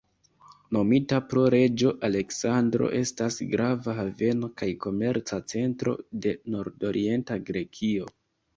Nomita pro Reĝo Aleksandro, estas grava haveno kaj komerca centro de nordorienta Grekio.